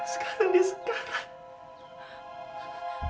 sekarang dia sekarang